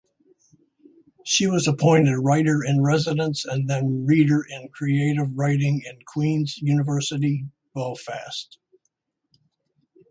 She was appointed writer-in-residence and then Reader in Creative Writing at Queen's University, Belfast.